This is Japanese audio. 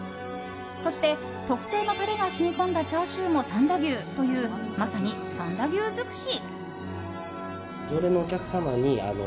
そして、特製のタレが染み込んだチャーシューも三田牛というまさに三田牛尽くし！